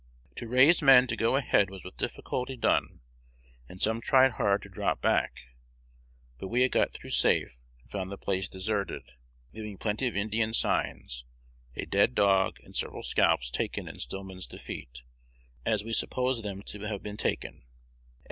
To raise men to go ahead was with difficulty done, and some tried hard to drop back; but we got through safe, and found the place deserted, leaving plenty of Indian signs, a dead dog and several scalps taken in Stillman's defeat, as we supposed them to have been taken."